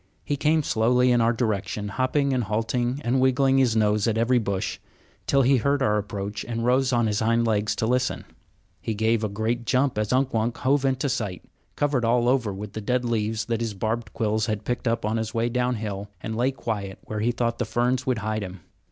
He came slowly in our direction, hopping and halting and wiggling his nose at every bush, till he heard our approach and rose on his hind legs to listen. He gave a great jump as Unk Wunk hove into sight, covered all over with the dead leaves that his barbed quills had picked up on his way downhill, and lay quiet where he thought the ferns would hide him.